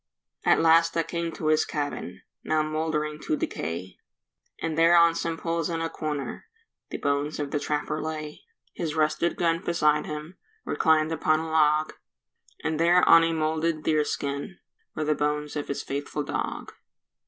At last I came to his cabin, Now mouldering to decay, And there on some poles in a corner The bones of the trapper lay; His rusted gun beside him, Reclined upon a log, And there on a moulded deer skin Were the bones of his faithful dog.